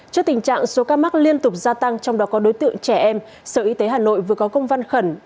trước tình trạng số ca mắc liên tục gia tăng trong đó có đối tượng trẻ em sở y tế hà nội vừa có công văn khẩn